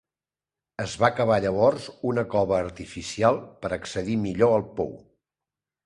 Es va cavar llavors una cova artificial per accedir millor al pou.